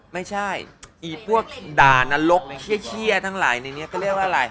ไม่ใช่อีพวกด่านรกเขี้ยทั้งหลายในนี้ก็เรียกว่าอะไร